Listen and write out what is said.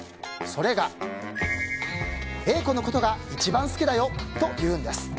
それが、Ａ子のことが１番好きだよというんです。